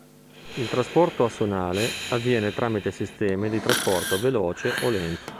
Il trasporto assonale avviene tramite sistemi di trasporto veloce o lento.